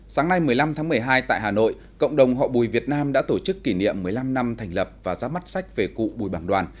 sáng nay một mươi năm tháng một mươi hai tại hà nội cộng đồng họ bùi việt nam đã tổ chức kỷ niệm một mươi năm năm thành lập và ra mắt sách về cụ bùi bằng đoàn